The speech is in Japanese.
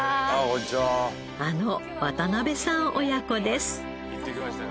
あの渡辺さん親子です。